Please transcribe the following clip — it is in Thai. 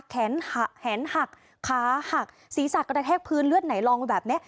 แขนหักขาหักศีรษะกระแทกพื้นเลือดไหนลองแบบนี้